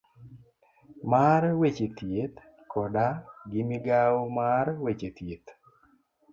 mar weche thieth koda gi migawo mar weche thieth.